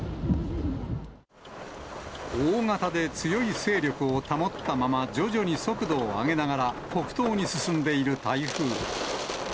大型で強い勢力を保ったまま徐々に速度を上げながら、北東に進んでいる台風。